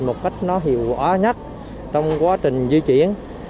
một cách nó hiệu quả nhất trong quá trình di chuyển